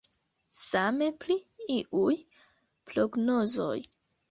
Same pri iuj prognozoj.